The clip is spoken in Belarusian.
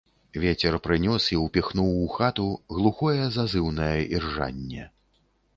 Вецер прынёс і ўпіхнуў у хату глухое зазыўнае іржанне.